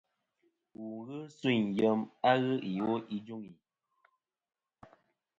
Wù ghɨ suyn yem a ghɨ iwo i juŋi.